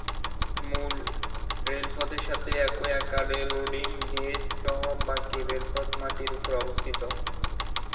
মূল রেলপথের সাথে একই আকারের লোডিং গেজ সহ বাকী রেলপথ মাটির উপরে অবস্থিত।